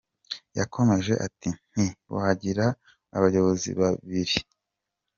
Yakomeje ati Ntiwagira abayobozi babiri.